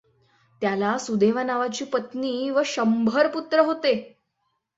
त्याला सुदेवा नावाची पत्नी व शंभर पुत्र होते.